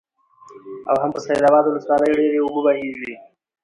او هم په سيدآباد ولسوالۍ ډېرې اوبه بهيږي،